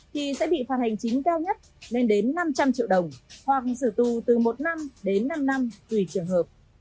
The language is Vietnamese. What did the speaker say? thì sẽ bị phạt hành chính cao nhất lên đến năm trăm linh triệu đồng hoặc xử tù từ một năm đến năm năm tùy trường hợp